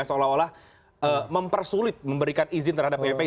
seolah olah mempersulit memberikan izin terhadap bpp